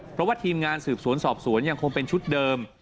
เพราะว่าทีมงานสืบสวนสอบสวนยังคงเป็นชุดเดิม